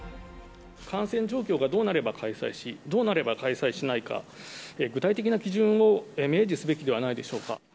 感染状況がどうなれば開催し、どうなれば開催しないか、具体的な基準を明示すべきではないでしょうか。